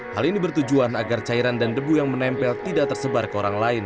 hal ini bertujuan agar cairan dan debu yang menempel tidak tersebar ke orang lain